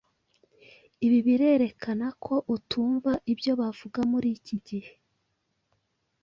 Ibi birerekana ko utumva ibyo bavuga muri iki gihe,